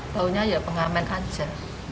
tahunya ya pengamen saja